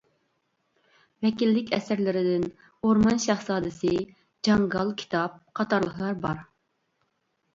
ۋەكىللىك ئەسەرلىرىدىن «ئورمان شاھزادىسى» ، «جاڭگال كىتاب» قاتارلىقلار بار.